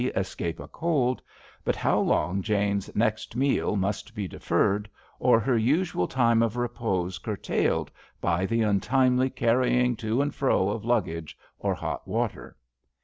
escape a cold, but how long Jane's next meal must be deferred, or her usual time of repose curtailed by the untimely carrying to and fro of luggage or hot water.